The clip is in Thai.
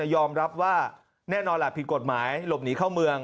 ยอมรับว่าแน่นอนล่ะผิดกฎหมายหลบหนีเข้าเมือง